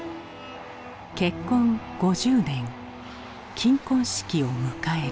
結婚５０年金婚式を迎える。